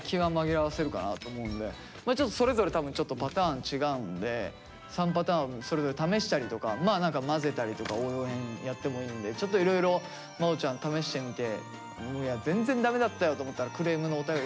ちょっとそれぞれ多分ちょっとパターン違うんで３パターンそれぞれ試したりとか混ぜたりとか応用編やってもいいんでちょっといろいろまおちゃん試してみて。